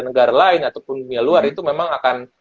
negara lain ataupun dunia luar itu memang akan